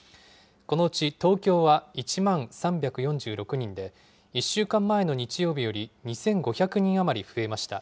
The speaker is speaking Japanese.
このうち東京は１万３４６人で、１週間前の日曜日より２５００人余り増えました。